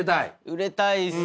売れたいですね。